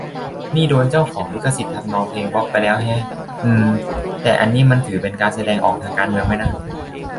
นี่โดนเจ้าของลิขสิทธิ์ทำนองเพลงบล็อคไปแล้วแฮะ อืมมม แต่อันนี้มันถือเป็นการแสดงออกทางการเมืองไหมนะ